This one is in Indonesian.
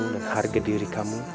dan harga diri kamu